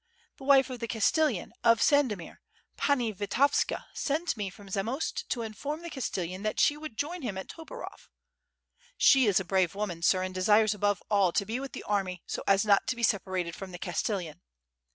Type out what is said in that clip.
"The wife of the castellan of Sandomir, Pani Vitovska, sent me from Zamost to inform the castellan that she would join him at Toporov. ... She is a brave woman, sir, and desires above all to be with the army so as not to be separated from the Castellan.